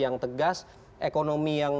yang tegas ekonomi yang